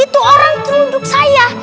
itu orang teluduk saya